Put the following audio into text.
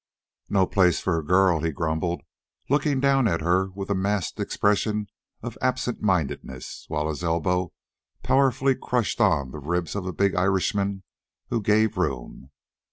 "No place for a girl," he grumbled, looking down at her with a masked expression of absent mindedness, while his elbow powerfully crushed on the ribs of a big Irishman who gave room.